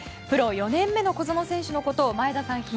プロ４年目の小園選手のことを前田さん